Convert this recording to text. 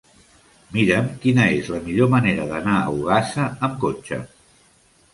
Mira'm quina és la millor manera d'anar a Ogassa amb cotxe.